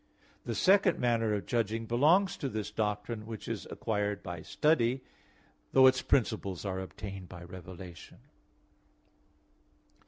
The second manner of judging belongs to this doctrine which is acquired by study, though its principles are obtained by revelation.